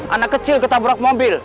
anak kecil ketabrak mobil